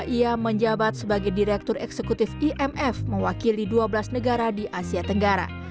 ia menjabat sebagai direktur eksekutif imf mewakili dua belas negara di asia tenggara